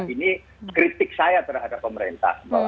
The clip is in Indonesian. ini kritik saya terhadap pemerintah